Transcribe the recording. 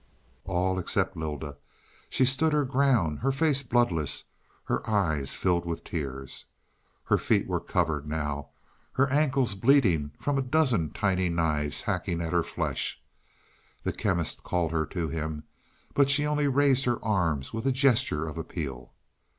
All except Lylda. She stood her ground her face bloodless, her eyes filled with tears. Her feet were covered now; her ankles bleeding from a dozen tiny knives hacking at her flesh. The Chemist called her to him, but she only raised her arms with a gesture of appeal.